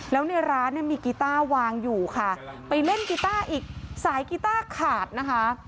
แล้วในร้านเนี่ยมีกีต้าวางอยู่ค่ะไปเล่นกีต้าอีกสายกีต้าขาดนะคะ